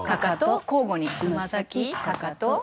交互につま先かかと。